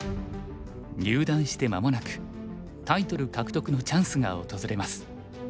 入段して間もなくタイトル獲得のチャンスが訪れます。